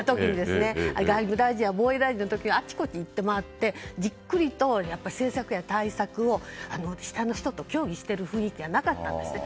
外務大臣や防衛大臣の時に行ってじっくりと政策や対策を下の人と協議している雰囲気がなかったんです。